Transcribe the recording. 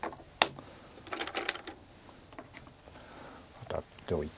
ワタっておいて。